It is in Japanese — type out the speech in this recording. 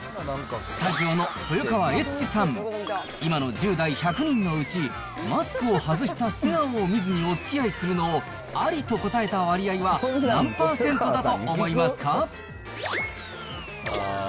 スタジオの豊川悦司さん、今の１０代１００人のうち、マスクを外した素顔を見ずにおつきあいするのをありと答えた割合は、何％だと思いますか？